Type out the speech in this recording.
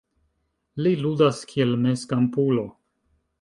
Li ludas kiel mezkampulo.